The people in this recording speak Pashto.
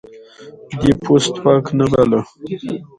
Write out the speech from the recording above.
دی پوست پاک نه باله.